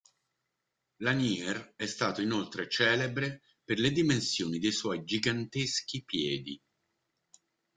Lanier è stato inoltre celebre per le dimensioni dei suoi giganteschi piedi.